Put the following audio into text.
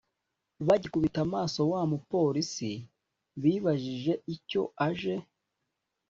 bagikubita amaso wamupolice bibajije icyo aje